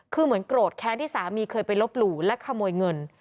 คือเหมือนโกรธแค้นที่สามีเคยไปลบหลู่และขโมยเงิน